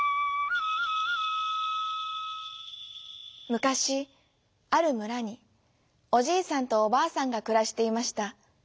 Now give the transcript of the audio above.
むかしあるむらにおじいさんとおばあさんがくらしていました。